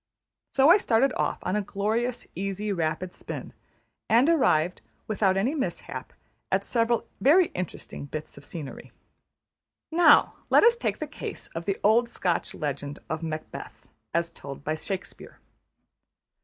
So I started off on a glorious, easy, rapid spin; and arrived, without any mishap, at several very interesting bits of scenery. Now let us take the case of the old Scotch legend of Macbeth, as told by Shakespeare.